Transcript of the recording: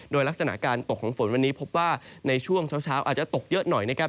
โดยลักษณะการตกของฝนวันนี้พบว่าในช่วงเช้าอาจจะตกเยอะหน่อยนะครับ